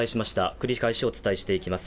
繰り返しお伝えしていきます。